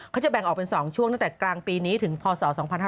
เขาจะแบ่งออกเป็น๒ช่วงตั้งแต่กลางปีนี้ถึงพศ๒๕๕๙